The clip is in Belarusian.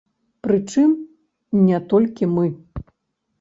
Прычым не толькі мы.